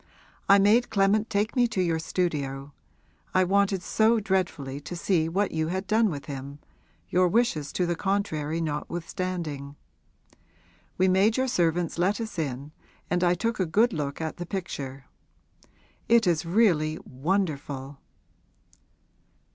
I made Clement take me to your studio I wanted so dreadfully to see what you had done with him, your wishes to the contrary notwithstanding. We made your servants let us in and I took a good look at the picture. It is really wonderful!'